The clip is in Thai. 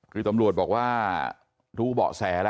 คือตำรวจบอกว่ารู้เบาะแสแล้ว